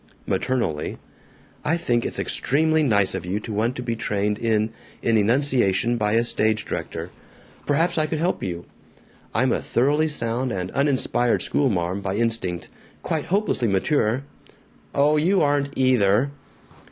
Maternally, "I think it's extremely nice of you to want to be trained in in enunciation by a stage director. Perhaps I could help you. I'm a thoroughly sound and uninspired schoolma'am by instinct; quite hopelessly mature." "Oh, you aren't EITHER!"